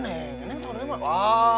nek tau dari mana